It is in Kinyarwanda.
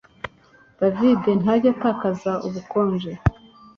David ntajya atakaza ubukonje